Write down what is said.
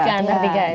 ke antartika itu